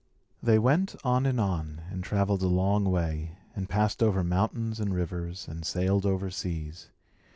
They went on and on, and travelled a long way, and passed over mountains and rivers, and sailed over seas.